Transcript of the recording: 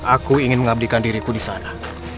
aku ingin mengabdikan diriku di sana